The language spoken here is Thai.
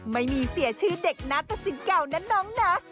ไม่มีเสียชื่อเด็กนัดประสิทธิ์เก่านั้นน้องนะ